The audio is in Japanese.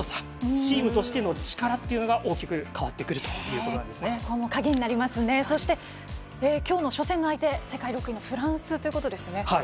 チームとしての力というのが大きく変わってくるきょうの初戦の相手世界６位のフランスですね。